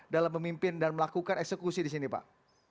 dalam memimpin dan melakukan eksekusi di sini pak